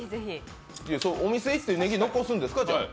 お店行ってねぎ残すんですか？